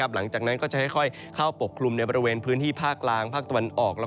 หลังจากนั้นก็จะค่อยเข้าปกคลุมในบริเวณพื้นที่ภาคกลางภาคตะวันออก